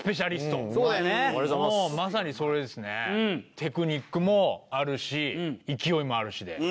テクニックもあるし勢いもあるしで。